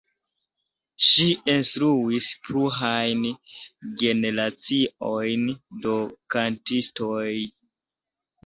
Ŝi instruis plurajn generaciojn de kantistoj.